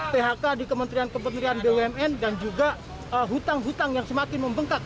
phk di kementerian kementerian bumn dan juga hutang hutang yang semakin membengkak